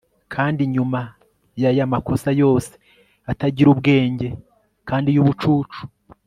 kandi inyuma yaya makosa yose atagira ubwenge kandi yubucucu